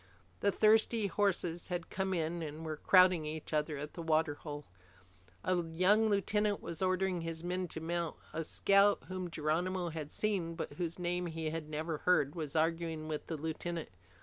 The thirsty horses had come in and were crowding each other at the water hole. A young lieutenant was ordering his men to mount. A scout whom Geronimo had seen, but whose name he had never heard, was arguing with the lieutenant.